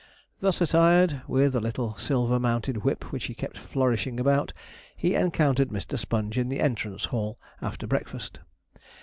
Thus attired, with a little silver mounted whip which he kept flourishing about, he encountered Mr. Sponge in the entrance hall, after breakfast.